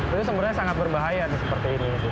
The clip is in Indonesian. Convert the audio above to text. itu sebenarnya sangat berbahaya seperti ini